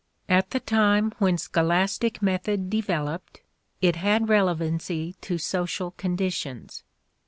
At the time when scholastic method developed, it had relevancy to social conditions.